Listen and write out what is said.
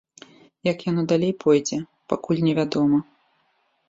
Як яно далей пойдзе, пакуль невядома.